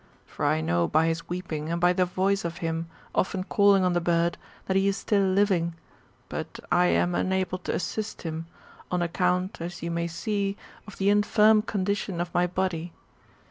For I know by his weeping, and by the voice of him, often calling on the bird, that he is still living ; but I am unable to assist him, on account, as you may see, of the infirm condition of my body.